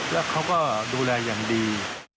แล้วเขาก็ดูแลอย่างดี